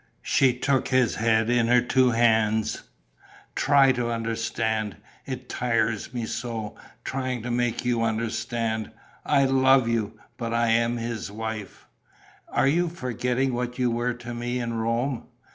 She took his head in her two hands: "Try to understand. It tires me so, trying to make you understand. I love you ... but I am his wife...." "Are you forgetting what you were to me in Rome?..."